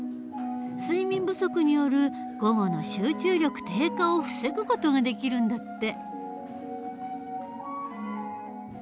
睡眠不足による午後の集中力低下を防ぐ事ができるんだって。